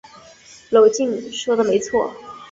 娄敬说的没错。